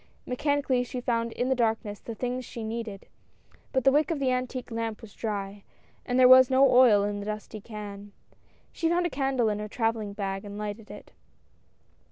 Mechanically she found in the darkness the things she needed, but the wick of the antique lamp was dry, and there was no oil in the dusty can. She found a candle in her travelling bag and lighted it.